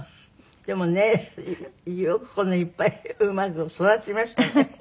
でもねよくこんないっぱいうまく育ちましたね。